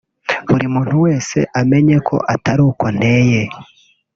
buri muntu wese amenye ko atari uko nteye